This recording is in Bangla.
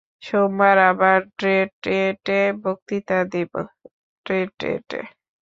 সোমবার আবার ডেট্রয়েটে বক্তৃতা দেব।